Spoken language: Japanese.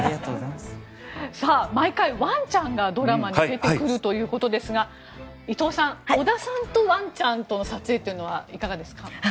毎回、ワンちゃんがドラマに出てくるということですが伊藤さん、織田さんとワンちゃんとの撮影はいかがでしょうか。